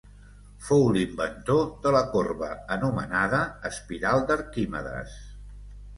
Fou l'inventor de la corba anomenada espiral d'Arquimedes.